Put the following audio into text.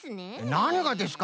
なにがですか？